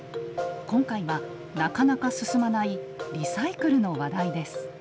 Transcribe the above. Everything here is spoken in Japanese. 今回はなかなか進まないリサイクルの話題です。